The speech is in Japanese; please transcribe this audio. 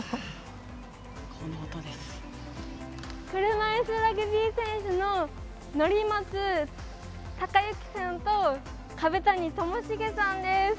車いすラグビー選手の乗松隆由さんと壁谷知茂さんです。